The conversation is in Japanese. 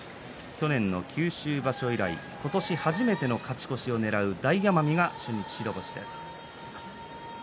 去年の九州場所以来今年初めての勝ち越しをねらう大奄美が白星です。